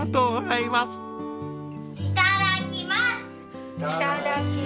いただきます。